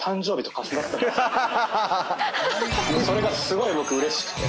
それがすごい僕うれしくて。